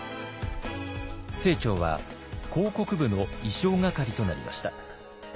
清張は広告部の意匠係となりました。